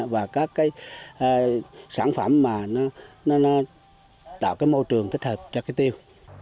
và các sản phẩm tạo môi trường thích hợp cho cây tiêu